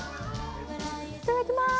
いただきます。